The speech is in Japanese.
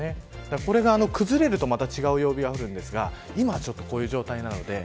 これが崩れるとまた違う曜日になりますが今はこういう状態です。